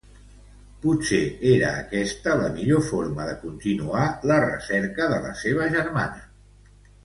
Potser era aquesta la millor forma de continuar la recerca de la seva germana.